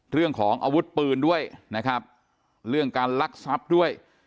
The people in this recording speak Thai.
เรื่องของอาวุธปืนด้วยนะครับเรื่องการลักทรัพย์ด้วย